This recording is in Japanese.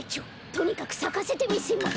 とにかくさかせてみせます。